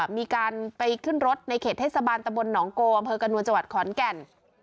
มีการไปขึ้นรถในเขตเทศบาลตะบลหนองโกอำเภอกระนวลจังหวัดขอนแก่น